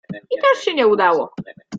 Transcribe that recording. I też się nie udało.